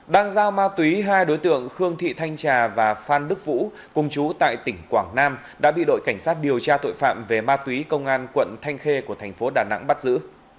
đang giao ma túy hai đối tượng khương thị thanh trà và phan đức vũ cùng chú tại tỉnh quảng nam đã bị đội cảnh sát điều tra tội phạm về ma túy công an quận thanh khê của thành phố đà nẵng bắt giữ